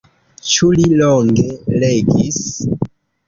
Ĉu li longe legis?